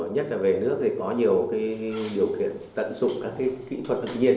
nhất là về nước thì có nhiều cái điều kiện tận dụng các cái kỹ thuật tự nhiên